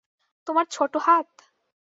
তোমার ছোট হাত?